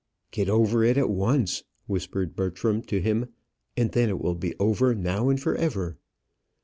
"Get it over at once," whispered Bertram to him, "and then it will be over, now and for ever."